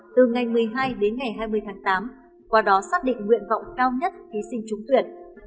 từ ngày một mươi hai đến ngày hai mươi tháng tám qua đó xác định nguyện vọng cao nhất thí sinh trúng tuyển